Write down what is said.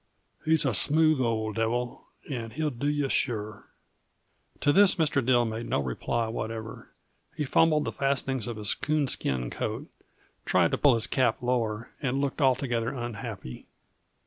He's a smooth old devil, and he'll do yuh sure." To this Mr. Dill made no reply whatever. He fumbled the fastenings on his coon skin coat, tried to pull his cap lower and looked altogether unhappy.